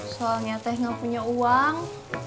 soalnya teh nggak punya uang